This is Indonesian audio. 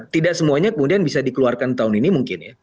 tidak semuanya kemudian bisa dikeluarkan tahun ini mungkin ya